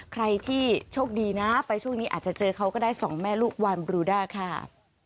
ใครที่โชคดีนะไปช่วงนี้อาจจะเจอเขาก็ได้สองแม่ลูกวานบรูด้าค่ะ